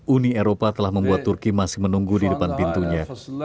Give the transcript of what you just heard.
uni eropa telah membuat turki masih menunggu di depan pintunya